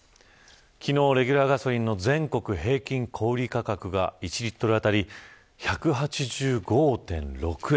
昨日レギュラーガソリンの全国平均小売り価格が１リットル当たり１８５．６円。